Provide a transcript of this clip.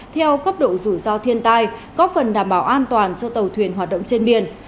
theo cấp độ rủi ro thiên tai góp phần đảm bảo an toàn cho tàu thuyền hoạt động trên biển